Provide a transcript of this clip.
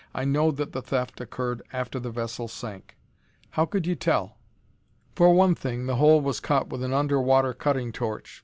I know that the theft occurred after the vessel sank." "How could you tell?" "For one thing, the hole was cut with an under water cutting torch.